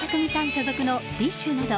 所属のＤＩＳＨ／／など